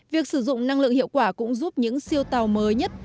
việc sử dụng năng lượng hiệu quả cũng giúp những siêu tàu mới nhất